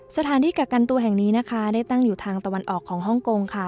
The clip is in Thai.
สถานที่กักกันตัวแห่งนี้นะคะได้ตั้งอยู่ทางตะวันออกของฮ่องกงค่ะ